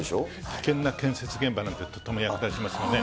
危険な建設現場なんてとてもやったりしますよね。